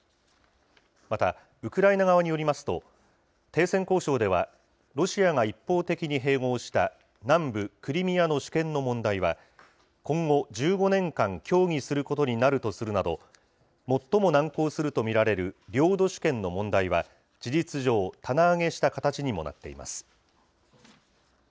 またウクライナ側によりますと、停戦交渉では、ロシアが一方的に併合した、南部クリミアの主権の問題は、今後１５年間、協議することになるとするなど、最も難航すると見られる領土主権の問題は、事実上、棚上げした形にもなっています。